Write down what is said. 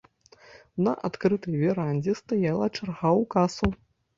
На адкрытай верандзе стаяла чарга ў касу.